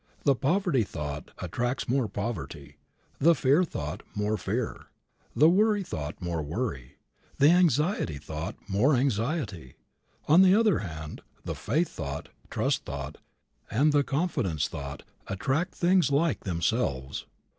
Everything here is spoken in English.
The poverty thought attracts more poverty, the fear thought more fear, the worry thought more worry, the anxiety thought more anxiety. On the other hand, the faith thought, trust thought, and the confidence thought attract things like themselves.